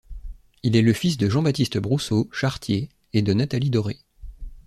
Il est le fils de Jean-Baptiste Brousseau, charretier, et de Nathalie Doré.